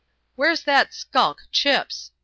" Where's that skulk. Chips ?